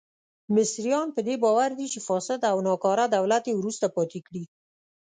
مصریان په دې باور دي چې فاسد او ناکاره دولت یې وروسته پاتې کړي.